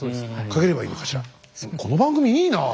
この番組いいなあ。